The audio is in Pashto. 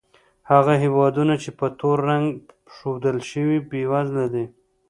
هغه هېوادونه چې په تور رنګ ښودل شوي، بېوزله دي.